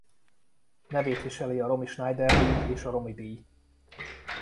Nevét viseli a Romy Schneider-díj és a Romy-díj.